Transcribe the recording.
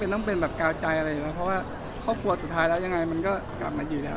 ไม่ต้องเป็นกาวใจอะไรเพราะว่าครอบครัวสุดท้ายแล้วยังไงมันก็กลับมาอยู่